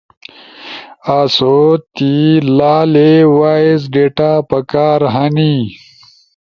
آسو تی لالی وائس ڈیٹا پکار ہنی۔